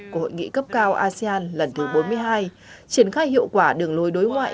của hội nghị cấp cao asean lần thứ bốn mươi hai triển khai hiệu quả đường lối đối ngoại